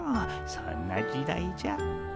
そんな時代じゃ。